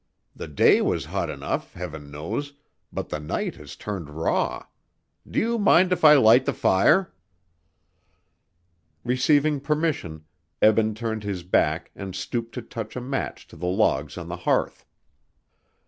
The day was hot enough, heaven knows, but the night has turned raw Do you mind if I light the fire?" Receiving permission, Eben turned his back and stooped to touch a match to the logs on the hearth.